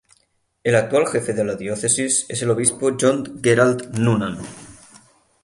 El actual jefe de la Diócesis es el Obispo John Gerard Noonan.